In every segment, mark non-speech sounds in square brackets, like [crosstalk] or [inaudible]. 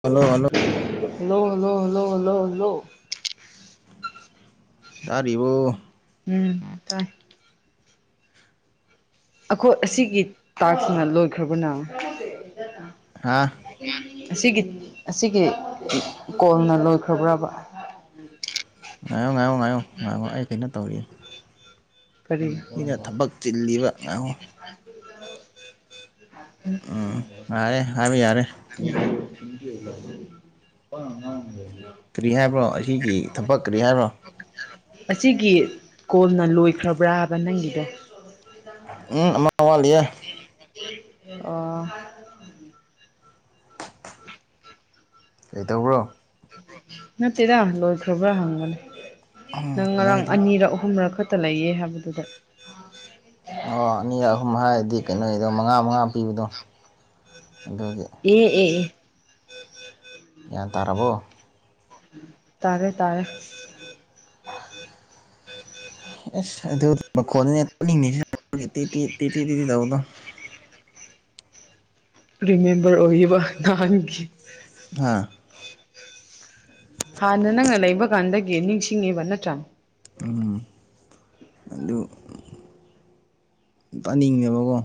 hello hello hello hello hello hello hello ꯇꯥꯔꯤꯕꯣ ꯎꯝ ꯇꯥꯏ ꯑꯩꯈꯣꯏ ꯑꯁꯤꯒꯤ ꯇꯥꯛꯁꯤꯅ ꯂꯣꯏꯈ꯭ꯔꯕꯣ ꯅꯪ ꯍꯥꯥ ꯑꯁꯤꯒꯤ ꯑꯁꯤꯒꯤ ꯀꯣꯜꯅ ꯂꯣꯏꯈ꯭ꯔꯕ꯭ꯔꯕ ꯉꯥꯏꯌꯣ ꯉꯥꯏꯌꯣ ꯉꯥꯏꯌꯣ ꯉꯥꯏꯉꯣ ꯑꯩ ꯀꯩꯅꯣ ꯇꯧꯔꯤ ꯀꯔꯤ ꯁꯤꯅ ꯊꯕꯛ ꯆꯤꯜꯂꯤꯕ ꯉꯥꯏꯈꯣ ꯎꯝ ꯌꯥꯔꯦ ꯍꯥꯏꯕ ꯌꯥꯔꯦ [inaudible] [inaudible] ꯀꯔꯤ ꯍꯥꯏꯕ꯭ꯔꯣ ꯑꯁꯤꯒꯤ ꯊꯕꯛ ꯀꯔꯤ ꯍꯥꯏꯕ꯭ꯔꯣ ꯑꯁꯤꯒꯤ ꯀꯣꯜꯅ ꯂꯣꯏꯈ꯭ꯔꯕ꯭ꯔꯥꯕ ꯅꯪꯒꯤꯗꯣ ꯎꯨꯝ ꯑꯃꯒ ꯋꯥꯠꯂꯤꯌꯦ ꯑꯣ ꯀꯩꯇꯧꯕ꯭ꯔꯣ ꯅꯠꯇꯦꯗ ꯂꯣꯏꯈ꯭ꯔꯕ꯭ꯔꯥ ꯍꯪꯕꯅꯦ ꯎꯝ ꯅꯪ ꯉꯔꯥꯡ ꯅꯣꯏꯗꯤ ꯑꯅꯤꯔꯛ ꯑꯍꯨꯝꯔꯛ ꯈꯛ ꯇ ꯂꯩꯌꯦ ꯍꯥꯏꯕꯗꯨꯗ ꯑꯣ ꯑꯅꯤꯔꯛ ꯑꯍꯨꯝ ꯍꯥꯏꯔꯗꯤ ꯀꯩꯅꯣꯒꯤꯗꯣ ꯃꯉꯥ ꯃꯉꯥ ꯄꯤꯕꯗꯣ ꯑꯗꯨꯒꯤ ꯑꯦ ꯑꯦ ꯑꯦ ꯒ꯭ꯌꯥꯟ ꯇꯥꯔꯕꯣ ꯇꯥꯔꯦ ꯇꯥꯔꯦ [inaudible] [unintelligible] [inaudible] ꯔꯤꯃꯦꯝꯕꯔ ꯑꯣꯏꯕ ꯅꯍꯥꯟꯒꯤ ꯑꯥ ꯍꯥꯟꯅ ꯅꯪꯅ ꯂꯩꯕ ꯀꯥꯟꯗꯒꯤ ꯅꯤꯡꯁꯤꯡꯉꯤꯕ ꯅꯠꯇ꯭ꯔꯥ ꯎꯝ ꯑꯗꯨ ꯇꯥꯅꯤꯡꯉꯦꯕꯀꯣ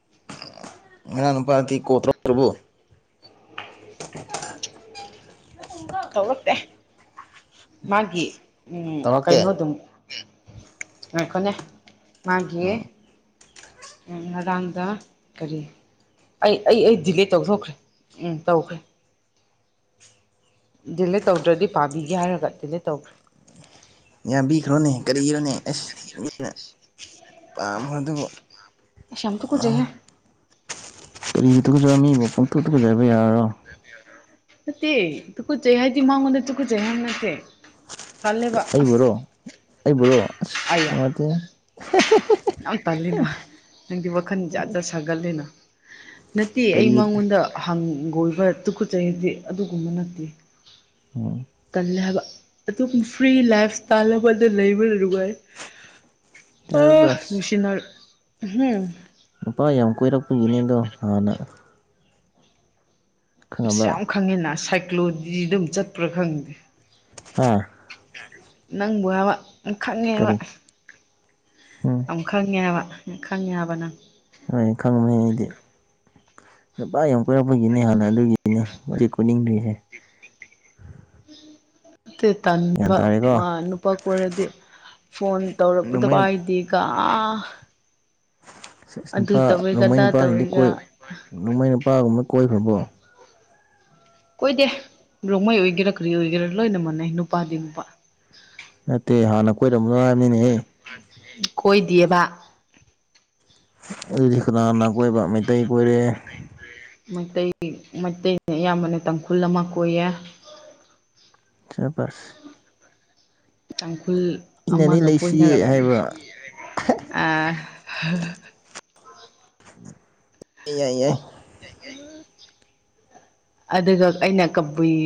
[unintelligible] [inaudible] ꯇꯧꯔꯛꯇꯦ ꯃꯥꯒꯤ ꯎꯝ ꯇꯧꯔꯛꯇꯦ ꯀꯩꯅꯣꯗꯨꯝ ꯉꯥꯏꯈꯣꯅꯦ ꯃꯥꯒꯤ ꯎꯝ ꯉꯔꯥꯡꯗ ꯀꯔꯤ ꯑꯩ ꯑꯩ ꯑꯩ ꯗꯤꯂꯤꯠ ꯇꯧꯊꯣꯛꯈ꯭ꯔꯦ ꯎꯝ ꯇꯧꯈ꯭ꯔꯦ ꯗꯤꯂꯦ ꯇꯧꯗ꯭ꯔꯗꯤ ꯄꯥꯕꯤꯒꯦ ꯍꯥꯏꯔꯒ ꯗꯤꯂꯦ ꯇꯧꯈ꯭ꯔꯦ ꯌꯥꯕꯤꯈ꯭ꯔꯣꯅꯦ ꯀꯔꯤꯒꯤꯔꯣꯅꯦ ꯑꯁ ꯃꯤꯅ ꯄꯥꯝꯈ꯭ꯔꯗꯨꯕꯨ ꯏꯁ ꯌꯥꯝ ꯇꯨꯀꯆꯩꯍꯦ ꯀꯔꯤꯒꯤ ꯇꯨꯀꯠꯆꯕ ꯃꯤꯕꯨ ꯄꯪꯇꯨ ꯇꯨꯀꯠꯆꯕ ꯌꯥꯕ꯭ꯔꯣ ꯅꯠꯇꯦ ꯇꯨꯀꯠꯆꯩ ꯍꯥꯏꯗꯤ ꯃꯥꯉꯣꯟꯗ ꯇꯨꯀꯠꯆꯩ ꯍꯥꯏꯕ ꯅꯠꯇꯦ ꯇꯜꯂꯦꯕ ꯑꯩꯕꯨꯔꯣ ꯑꯩꯕꯨꯔꯣ ꯑꯁ ꯑꯩꯌꯥ ꯅꯨꯡꯉꯥꯏꯇꯦꯍꯦ ꯌꯥꯝ ꯇꯜꯂꯤꯅ ꯅꯪꯗꯤ ꯋꯥꯈꯜ ꯖꯥꯠ ꯖꯥꯠ ꯁꯥꯒꯠꯂꯤꯅ ꯅꯠꯇꯦ ꯑꯩ ꯀꯔꯤ ꯃꯉꯣꯟꯗ ꯍꯪꯒꯣꯏꯕ ꯇꯨꯈꯠꯆꯩꯗꯤ ꯑꯗꯨꯒꯨꯝꯕ ꯅꯠꯇꯦ ꯇꯜꯂꯦ ꯍꯥꯏꯕ ꯑꯗꯨꯝ ꯐ꯭ꯔꯤ ꯂꯥꯏꯐ ꯏꯁꯇꯥꯏꯜ ꯑꯃꯗ ꯂꯩꯕ ꯅꯨꯡꯉꯥꯏ ꯕꯁ ꯅꯨꯡꯁꯤꯅꯔ ꯎꯍꯨꯝ ꯅꯨꯄꯥ ꯌꯥꯝ ꯀꯣꯏꯔꯛꯄꯒꯤꯅꯦꯗꯣ ꯍꯥꯟꯅ ꯈꯪꯉꯕ ꯌꯥꯝ ꯈꯪꯉꯦꯅ ꯁꯥꯏꯀꯂꯣꯖꯤꯗꯨꯝ ꯆꯠꯄ꯭ꯔꯥ ꯈꯪꯗꯦ ꯑꯥ ꯅꯪꯕꯨ ꯍꯥꯏꯕ ꯈꯪꯉꯦ ꯍꯥꯏꯕ ꯀꯔꯤ ꯎꯝ ꯌꯥꯝ ꯈꯪꯉꯦ ꯍꯥꯏꯕ ꯈꯪꯉꯦ ꯍꯥꯏꯕ ꯅꯪ ꯍꯣꯏ ꯈꯪꯕꯅꯤ ꯑꯩꯗꯤ ꯅꯨꯄꯥ ꯌꯥꯝ ꯀꯣꯏꯔꯛꯄꯒꯤꯅꯤ ꯍꯥꯟꯅ ꯑꯗꯨꯒꯤꯅꯤ ꯍꯧꯖꯤꯛ ꯀꯣꯏꯅꯤꯡꯗ꯭ꯔꯤꯁꯦ ꯑꯗꯨ ꯒ꯭ꯌꯥꯟ ꯇꯟꯕ ꯇꯥꯔꯦꯀꯣ ꯅꯨꯄꯥ ꯑꯣꯏꯔꯗꯤ ꯐꯣꯟ ꯇꯧꯔꯛꯄꯗ ꯅꯣꯡꯃꯩ ꯄꯥꯏꯗꯦꯒ ꯑꯥ ꯅꯨꯄꯥ ꯔꯣꯡꯃꯩ ꯅꯨꯄꯥꯁꯤꯡꯗꯤ ꯇꯧꯋꯦꯒ ꯀꯣꯏ ꯔꯣꯡꯃꯩ ꯅꯨꯄꯥꯒꯨꯝꯕ ꯀꯣꯏ ꯈ꯭ꯔꯕꯣ ꯀꯣꯏꯗꯦ ꯔꯣꯡꯃꯩ ꯑꯣꯏꯒꯦꯔ ꯀꯔꯤ ꯑꯣꯏꯒꯦꯔ ꯂꯣꯏꯅ ꯃꯥꯟꯅꯩ ꯅꯨꯄꯥꯗꯤ ꯅꯨꯄꯥ ꯅꯠꯇꯦ ꯍꯥꯟꯅ ꯀꯣꯏꯔꯝꯕꯔ ꯍꯥꯏꯕ꯭ꯔꯅꯤꯅꯦꯍ ꯀꯣꯏ ꯗꯤꯌꯦꯕ ꯑꯗꯨꯗꯤ ꯀꯥꯅꯥ ꯀꯥꯅ ꯀꯣꯏꯕ ꯃꯩꯇꯩ ꯀꯣꯏꯔꯦ ꯃꯩꯇꯩ ꯃꯩꯇꯩꯅ ꯑꯌꯥꯝꯕꯅ ꯇꯥꯡꯈꯨꯜ ꯑꯃ ꯀꯣꯏꯌꯦ ꯁꯕꯥꯁ ꯇꯥꯡꯈꯨꯜ ꯏꯟꯅꯅꯤ ꯑꯃꯒ ꯂꯩꯁꯤꯌꯦ ꯀꯣꯏꯅꯔꯝꯃꯦ ꯍꯥꯏꯕ꯭ꯔꯥ ꯑ ꯍ ꯌꯥꯏ ꯌꯥꯏ ꯑꯗꯨꯒ ꯑꯩꯅ ꯀꯕꯨꯏ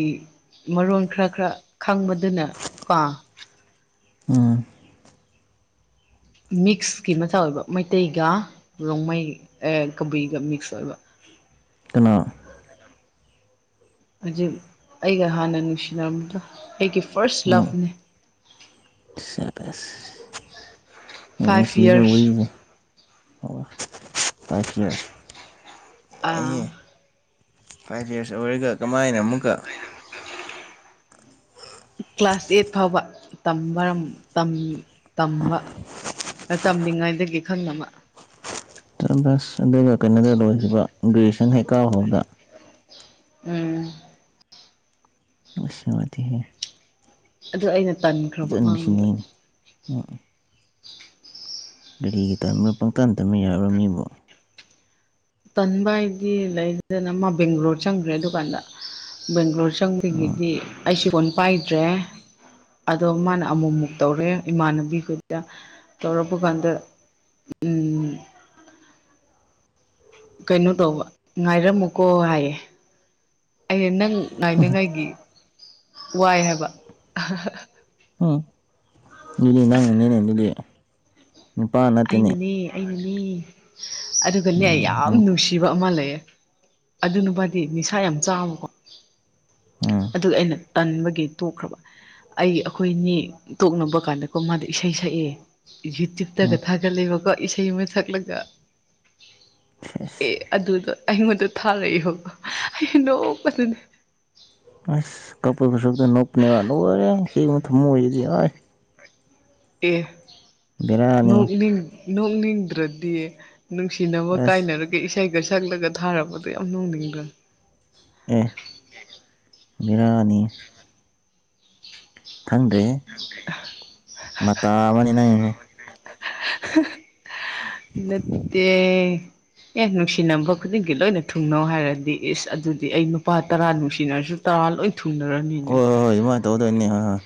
ꯃꯔꯣꯟ ꯈꯔ ꯈꯔ ꯈꯪꯕꯗꯨꯅ ꯀꯣ ꯎꯝ ꯃꯤꯛꯁꯀꯤ ꯃꯆꯥ ꯑꯣꯏꯕ ꯃꯩꯇꯩꯒ ꯔꯣꯡꯃꯩ ꯑꯦ ꯀꯕꯨꯏꯒ ꯃꯤꯛꯁ ꯑꯣꯏꯕ ꯀꯅꯥ ꯍꯧꯖꯤꯛ ꯑꯩꯒ ꯍꯥꯟꯅ ꯅꯨꯡꯁꯤꯅꯔꯕꯗ ꯑꯩꯒꯤ ꯐꯥꯔꯁ ꯎꯝ ꯂꯚꯅꯤ ꯁꯕꯥꯁ ꯐꯥꯏꯚ ꯅꯨꯡꯁꯤꯕ ꯌꯔꯁ ꯋꯥꯔꯤꯅꯤ ꯑꯣꯐꯥꯔꯁ ꯂꯥꯞꯐ ꯌꯥꯏꯍꯦ ꯐꯥꯏꯚ ꯌꯔꯁ ꯑꯣꯏꯔꯒ ꯀꯃꯥꯏꯅ ꯑꯃꯨꯛꯀ ꯀ꯭ꯂꯥꯁ ꯑꯦꯠ ꯐꯥꯎꯕ ꯇꯝꯕ ꯇꯝꯅꯤꯡꯉꯥꯏꯗꯒꯤ ꯈꯪꯅꯕ ꯁꯕꯥꯁ ꯑꯗꯨꯒ ꯀꯩꯅꯣꯗ ꯂꯣꯏꯈꯤꯕ ꯒ꯭ꯔꯦꯖꯨꯌꯦꯁꯟ ꯍꯦꯛ ꯀꯥꯕ ꯍꯧꯕꯗ ꯎꯝ ꯑꯁ ꯅꯨꯡꯉꯥꯏꯇꯦꯍꯦ ꯑꯗꯨ ꯑꯩꯅ ꯇꯟꯈ꯭ꯔꯕ ꯃꯉꯣꯟꯗ ꯑꯣ ꯀꯔꯤꯒꯤ ꯇꯟꯕ ꯄꯪꯇꯥꯟ ꯇꯟꯕꯅ ꯌꯕ꯭ꯔꯣ ꯃꯤꯕꯨ ꯇꯟꯕ ꯍꯥꯏꯗꯤ ꯂꯩꯗꯅ ꯃꯥ ꯕꯦꯡꯒꯂꯣꯔ ꯆꯪꯈ꯭ꯔꯦ ꯑꯗꯨꯗꯨꯀꯥꯟꯗ ꯕꯦꯡꯒ꯭ꯂꯣꯔ ꯎꯝ ꯆꯪꯕꯒꯤꯗꯤ ꯑꯩꯁꯨ ꯐꯣꯟ ꯄꯥꯏꯗ꯭ꯔꯦ ꯑꯗꯣ ꯃꯥꯅ ꯑꯃꯨꯛꯃꯨꯛ ꯇꯧꯔꯦ ꯏꯃꯥꯟꯅꯕꯤ ꯈꯣꯏꯗ ꯇꯧꯔꯛꯄ ꯀꯥꯟꯗ ꯎꯝ ꯀꯩꯅꯣ ꯇꯧꯕ ꯉꯥꯏꯔꯝꯃꯨꯀꯣ ꯍꯥꯏꯌꯦ ꯑꯩꯅ ꯅꯪ ꯉꯥꯏꯅꯤꯡꯉꯥꯏꯒꯤ ꯋꯥꯏ ꯍꯥꯏꯕ ꯎꯝ ꯑꯗꯨꯗꯤ ꯅꯪꯅꯅꯤꯅꯦ ꯑꯗꯨꯗꯤ ꯅꯤꯄꯥꯅ ꯅꯠꯇꯦꯅꯦ ꯃꯤ ꯑꯗꯨꯒꯅꯦ ꯑꯩ ꯎꯝ ꯌꯥꯝ ꯎꯝ ꯅꯨꯡꯁꯤꯕ ꯑꯃ ꯂꯩꯌꯦ ꯑꯗꯨ ꯅꯨꯄꯥꯗꯤ ꯅꯤꯁꯥ ꯌꯥꯝ ꯆꯥꯕꯀꯣ ꯎꯝ ꯑꯗꯨꯒ ꯑꯩꯅ ꯇꯟꯕꯒꯤ ꯇꯣꯛꯈ꯭ꯔꯕ ꯑꯩ ꯑꯩꯈꯣꯏꯅꯤ ꯇꯣꯛꯅꯕ ꯀꯥꯟꯗꯀꯣ ꯃꯥꯗ ꯏꯁꯩ ꯁꯛꯑꯦ ꯌꯨꯇ꯭ꯌꯨꯕꯇꯒ ꯎꯝ ꯊꯥꯒꯠꯂꯦꯕꯀꯣ ꯏꯁꯩ ꯑꯃ ꯁꯛꯂꯒ ꯁꯦꯁ ꯑꯦ ꯑꯗꯨꯗꯣ ꯑꯩꯉꯣꯟꯗ ꯊꯥꯔꯛꯑꯦꯕ ꯑꯩꯅ ꯅꯣꯛꯄꯗ ꯑꯁ ꯀꯞꯄꯒꯤ ꯁꯔꯨꯛ ꯅꯣꯛꯄꯅꯦꯕ ꯂꯣꯏꯔꯦ ꯅꯨꯄꯤ ꯅꯣꯏ ꯊꯃꯣꯏꯁꯤꯗꯤ ꯑꯥꯏ ꯑꯦ ꯕꯦꯔꯥꯅꯤ ꯅꯣꯛꯅꯤꯡ ꯅꯣꯛꯅꯤꯡꯗ꯭ꯔꯗꯤꯌꯦ ꯅꯨꯡꯁꯤꯅꯕ ꯑꯁ ꯀꯥꯏꯅꯔꯒ ꯏꯁꯩꯒ ꯁꯛꯂꯒ ꯊꯥꯔꯛꯄꯗꯣ ꯌꯥꯝ ꯅꯣꯛꯅꯤꯡꯕ ꯑꯦ ꯕꯦꯔꯥꯅꯤ ꯈꯪꯗ꯭ꯔꯦꯍꯦ ꯃꯇꯥꯃꯅꯤ ꯅꯪꯁꯦ ꯅꯠꯇꯦ ꯑꯦ ꯅꯨꯡꯁꯤꯅꯕ ꯈꯨꯗꯤꯡꯒꯤ ꯂꯣꯏꯅ ꯊꯨꯡꯅꯧ ꯍꯥꯏꯔꯗꯤ ꯏꯁ ꯑꯗꯨꯗꯤ ꯑꯩ ꯅꯨꯄꯥ ꯇꯔꯥ ꯅꯨꯡꯁꯤꯅꯔꯁꯨ ꯇꯔꯥ ꯂꯣꯏ ꯊꯨꯡꯅꯔꯅꯤꯅꯦ ꯍꯣꯏ ꯍꯣꯏ ꯍꯣꯏ ꯑꯗꯨꯃꯥꯏꯅ ꯇꯧꯗꯣꯏꯅꯤ ꯍꯣꯏ ꯍꯣꯏ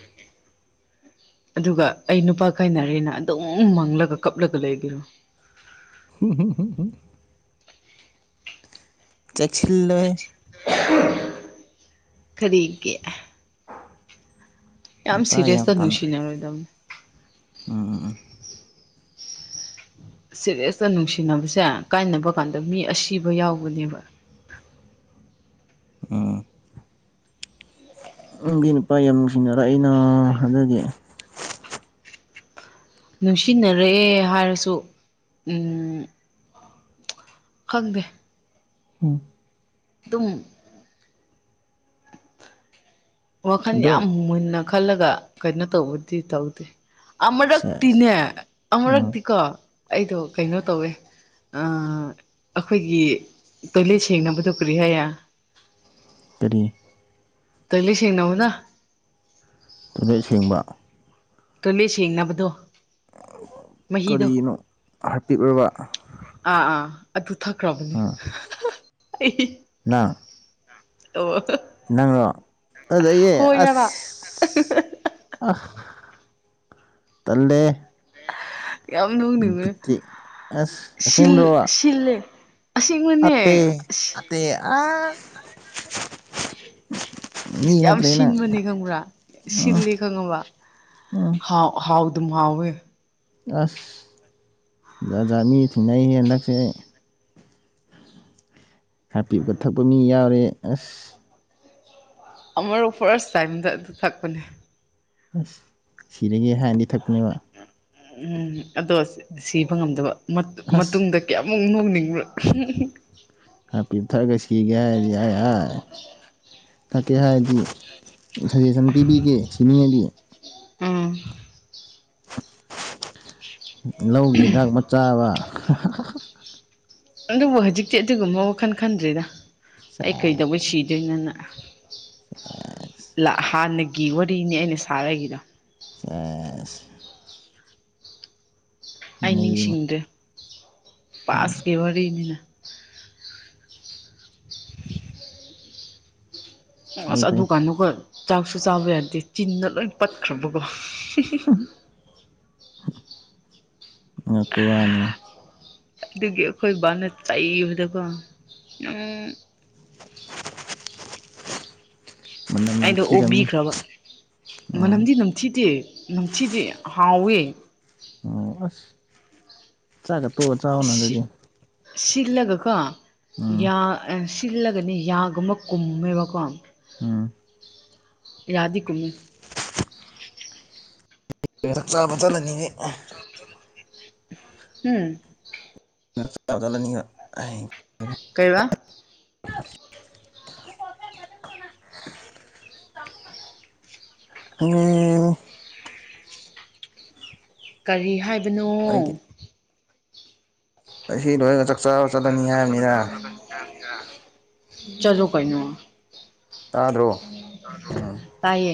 ꯑꯗꯨꯒ ꯑꯩ ꯅꯨꯄꯥ ꯀꯥꯏꯅꯔꯦꯅ ꯑꯗꯨꯝ ꯃꯪꯂꯒ ꯀꯞꯂꯒ ꯂꯩꯒꯔꯣ [unintelligible] ꯆꯦꯛꯁꯤꯜꯂꯣꯍꯦ ꯀꯔꯤꯒꯤ ꯌꯥꯝ ꯅꯨꯄꯥ ꯁꯦꯔꯤꯁ ꯇ ꯅꯨꯡꯁꯤꯅꯔꯣꯏꯗꯕꯅꯤ ꯎꯝ ꯎꯝ ꯎꯝ ꯁꯦꯔꯦꯁꯇ ꯅꯨꯡꯁꯤꯅꯕꯁꯦ ꯀꯥꯏꯅꯕ ꯀꯥꯟꯗ ꯃꯤ ꯑꯁꯤꯕ ꯌꯥꯎꯕꯅꯦꯕ [inaudible] ꯎꯪ ꯪꯒꯤ ꯅꯨꯄꯥ ꯌꯥꯝ ꯅꯨꯡꯁꯤꯅꯔꯛꯏꯅ ꯑꯗꯨꯒꯤ ꯅꯨꯡꯁꯤꯟꯅꯔꯛꯑꯦ ꯍꯥꯏꯔꯁꯨ ꯎꯝ ꯈꯪꯗꯦ ꯎꯝ ꯇꯨꯝ ꯋꯥꯈꯜ ꯑꯗꯨꯝ ꯌꯥꯝ ꯃꯨꯟꯅ ꯈꯜꯂꯒ ꯀꯩꯅꯣ ꯇꯧꯕꯗꯤ ꯇꯧꯗꯦ ꯁꯦꯁ ꯑꯃꯨꯔꯛꯇꯤꯅꯦ ꯎꯝ ꯑꯃꯨꯔꯛꯇꯤꯀꯣ ꯑꯩꯗꯣ ꯀꯩꯅꯣ ꯇꯧꯋꯦ ꯑꯥ ꯑꯈꯣꯏꯒꯤ ꯇꯣꯏꯂꯦꯠ ꯁꯦꯡꯅꯕꯗꯣ ꯀꯔꯤ ꯍꯥꯏ ꯀꯔꯤ ꯇꯣꯏꯂꯦꯠ ꯁꯦꯡꯅꯕꯅ ꯇꯣꯏꯂꯦꯠ ꯁꯦꯡꯕ ꯇꯣꯏꯂꯦꯠ ꯁꯦꯡꯅꯕꯗꯣ ꯃꯍꯤꯗꯣ ꯀꯔꯤꯅꯣ ꯍꯥꯔꯄꯤꯛꯔꯕ ꯑꯥ ꯑꯥ ꯑꯗꯨ ꯊꯛꯈ꯭ꯔꯕꯅꯤ ꯎꯝ ꯑꯩ ꯅꯪ ꯑꯣ ꯅꯪꯔꯣ ꯐꯖꯩꯌꯦ ꯍꯣꯏ ꯍꯥꯏꯕ ꯑꯁ ꯇꯜꯂꯦꯍꯦ ꯌꯥꯝ ꯅꯣꯛꯅꯤꯡꯉꯦ ꯕꯨꯇꯤꯛ ꯑꯁ ꯁꯤꯜ ꯑꯁꯦꯡꯕ꯭ꯔꯣ ꯁꯤꯜꯂꯦ ꯑꯁꯦꯡꯕꯅꯦ ꯑꯠꯇꯦ ꯑꯁ ꯑꯠꯇꯦ ꯑꯁ ꯌꯥꯝ ꯁꯤꯟꯕꯅꯦ ꯈꯪꯕ꯭ꯔꯥ ꯁꯤꯜꯂꯤ ꯈꯪꯉꯕꯥ ꯎꯝ ꯍꯥꯎ ꯑꯗꯨꯝ ꯍꯥꯎꯋꯦ ꯑꯁ ꯖꯥꯖꯥꯠ ꯃꯤ ꯊꯦꯡꯅꯩꯍꯦ ꯍꯟꯗꯛꯁꯦ ꯍꯥꯄꯤꯞꯀ ꯊꯛꯄ ꯃꯤ ꯌꯥꯎꯔꯦ ꯑꯁ ꯑꯃꯔꯛ ꯐꯥꯔꯁ ꯇꯥꯏꯝꯗ ꯑꯗꯨ ꯊꯛꯄꯅꯦ ꯑꯁ ꯁꯤꯔꯒꯦ ꯍꯥꯏꯅꯗꯤ ꯊꯛꯄꯅꯦꯕ ꯎ ꯎꯝ ꯑꯗꯣ ꯁꯤꯕ ꯉꯝꯗꯕ ꯑꯁ ꯃꯇꯨꯡꯗ ꯀꯌꯥꯝ [unintelligible] ꯅꯣꯛꯅꯤꯡꯕ꯭ꯔ ꯍꯔꯄꯤꯛ ꯊꯛꯑꯒ ꯁꯤꯒꯦ ꯍꯥꯏꯔꯗꯤ ꯌꯥꯢ ꯌꯥꯏ ꯊꯛꯀꯦ ꯍꯥꯏꯔꯗꯤ ꯁꯖꯦꯁꯟ ꯄꯤꯕꯤꯒꯦ ꯁꯤꯅꯤꯡꯉꯗꯤ ꯎꯝ ꯂꯧꯒꯤ ꯍꯤꯗꯥꯛ ꯃꯆꯥꯥꯕ ꯑꯗꯨꯕꯨ ꯍꯧꯖꯤꯛꯇꯤ ꯑꯗꯨꯒꯨꯝꯕ ꯋꯥꯈꯜ ꯈꯟꯗ꯭ꯔꯦꯗ ꯑꯩ ꯁꯦꯁ ꯀꯩꯗꯧꯕꯩ ꯁꯤꯗꯣꯏꯅꯣꯅ ꯍꯥꯟꯅꯒꯤ ꯋꯥꯔꯤꯅꯤ ꯑꯩꯅ ꯁꯥꯔꯛꯏꯗꯣ ꯁꯦꯁ ꯑꯩ ꯅꯩꯔꯦꯅꯦ ꯅꯤꯡꯁꯤꯡꯗ꯭ꯔꯦ ꯄꯥꯁꯀꯤ ꯋꯥꯔꯤꯅꯤꯅ ꯐꯩ ꯑꯁ ꯑꯗꯨ ꯐꯩ ꯀꯥꯟꯗꯀꯣ ꯆꯥꯛꯁꯨ ꯆꯥꯕ ꯌꯥꯗꯦ ꯆꯤꯟꯗ ꯂꯣꯏ ꯄꯠꯈ꯭ꯔꯕꯒꯣ [unintelligible] ꯑꯉꯛꯄ ꯋꯥꯅꯤ ꯑꯗꯨꯒꯤ ꯑꯈꯣꯏ ꯕꯥꯅ ꯆꯩꯕꯗꯀꯣ ꯅꯪ ꯃꯅꯝ ꯑꯩꯗꯣ ꯅꯝꯊꯤꯔꯝꯅꯤ ꯑꯣꯕꯤꯈ꯭ꯔꯕ ꯎꯝ ꯃꯅꯝꯗꯤ ꯅꯝꯊꯤꯗꯦ ꯅꯝꯊꯤꯗꯦ ꯍꯥꯎꯋꯦ ꯑꯣ ꯑꯁ ꯆꯥꯛꯒ ꯇꯣꯛꯑ ꯆꯧꯅ ꯑꯗꯨꯗꯤ ꯁꯤꯜꯂꯒ ꯀꯣ ꯎꯝ ꯌꯥ ꯁꯤꯜꯂꯒꯅꯤ ꯌꯥꯒꯨꯝꯕ ꯀꯨꯝꯃꯦꯕꯀꯣ ꯎꯝ ꯌꯥꯗꯤ ꯀꯨꯝꯃꯦ ꯆꯛ ꯆꯥꯕ ꯆꯠꯂꯅꯤꯅꯦ ꯍꯝ ꯆꯥꯛ ꯆꯕ ꯆꯠꯂꯅꯤꯕ [unintelligible] ꯀꯩꯕ ꯎꯝ ꯀꯔꯤ ꯍꯥꯏꯕꯅꯣ ꯑꯁꯤ ꯂꯣꯏꯒ ꯆꯥꯛꯆꯥꯥꯕ ꯆꯠꯂꯅꯤ ꯍꯥꯏꯕꯅꯤꯗ ꯆꯠꯂꯣ ꯀꯩꯅꯣ ꯇꯥꯗ꯭ꯔꯣ ꯇꯥꯗ꯭ꯔꯣ ꯇꯥꯏꯌꯦ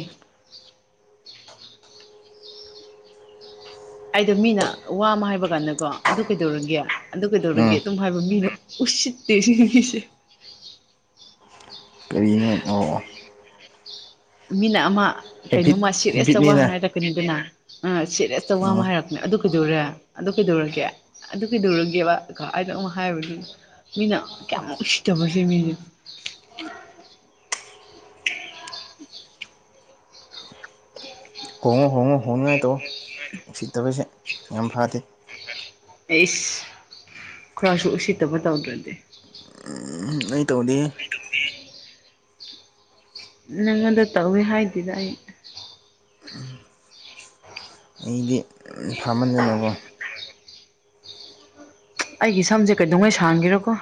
ꯑꯩꯗꯣ ꯃꯤꯅ ꯋꯥ ꯑꯃ ꯍꯥꯏꯕ ꯀꯥꯟꯗꯀꯣ ꯑꯗꯨ ꯀꯩꯗꯧꯔꯒꯦ ꯑꯗꯨ ꯀꯩꯗꯧꯔꯒꯦ ꯎꯝ ꯑꯗꯨꯝ ꯍꯥꯏꯕ ꯃꯤꯅ ꯎꯁꯤꯠꯇꯦ ꯁꯤ ꯅꯨꯄꯤꯁꯦ ꯀꯔꯤꯅꯣ ꯑꯣꯑꯣ ꯃꯤꯅ ꯑꯃ ꯍꯦꯕꯤꯠ ꯀꯩꯅꯣꯝꯃ ꯁꯤꯔꯤꯁꯇ ꯋꯥ ꯍꯦꯕꯤꯠꯅꯤꯅ ꯍꯥꯏꯔꯛ ꯀꯅꯤꯗꯅ ꯑꯥ ꯁꯤꯔꯦꯁꯇ ꯋꯥ ꯑꯃ ꯎꯝ ꯍꯥꯏꯔꯛꯄꯅꯦ ꯑꯗꯨ ꯀꯩꯗꯧꯔꯦ ꯑꯗꯣ ꯀꯩꯗꯧꯔꯒꯦ ꯑꯗꯨ ꯀꯩꯗꯧꯔꯒꯦꯕ ꯑꯩꯅ ꯑꯃꯨꯛ ꯍꯥꯏꯕꯗꯨ ꯃꯤꯅ ꯀꯌꯥꯃꯨꯛ ꯎꯁꯤꯠꯇꯕ ꯁꯤ ꯃꯤꯁꯦ [inaudible] ꯍꯣꯡꯉꯣ ꯍꯣꯡꯉꯣ ꯍꯣꯡꯅꯉꯥꯏ ꯇꯧꯋꯣ ꯅꯨꯁꯤꯠꯇꯕꯁꯦ ꯌꯥꯝ ꯐꯗꯦ ꯑꯩꯁ ꯈꯔꯁꯨ ꯎꯁꯤꯠꯇꯕ ꯇꯧꯗ꯭ꯔꯗꯤ ꯎꯝ ꯑꯩ ꯇꯧꯗꯦ ꯍꯦ ꯅꯪꯉꯣꯟꯗ ꯇꯧꯋꯦ ꯍꯥꯏꯗꯦꯗ ꯑꯩ ꯑꯩꯗꯤ ꯐꯝꯃꯟꯗꯅꯀꯣ ꯑꯩꯒꯤ ꯁꯝꯁꯦ ꯀꯩꯗꯧꯉꯩ ꯁꯥꯡꯒꯦꯔꯀꯣ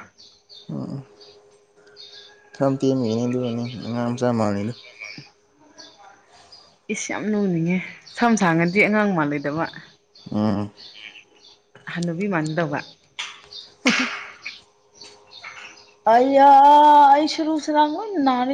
ꯁꯝ ꯇꯦꯟꯕꯒꯤꯅꯤ ꯑꯗꯨꯒꯤꯅꯦ ꯑꯉꯥꯡ ꯃꯆꯥ ꯃꯟꯅꯤꯗꯣ ꯏꯁ ꯌꯥꯝ ꯅꯣꯛꯅꯤꯡꯉꯦ ꯁꯝ ꯁꯥꯡꯉꯗꯤ ꯑꯉꯥꯡ ꯃꯥꯥꯟꯂꯣꯏꯗꯕ ꯎꯝ ꯍꯅꯨꯕꯤ ꯃꯟꯗꯧꯕ [inaudible] ꯑꯩꯌꯥ ꯑꯩ ꯁꯨꯔꯨ ꯁꯔꯥꯡ ꯂꯣꯏꯅ ꯅꯔꯦ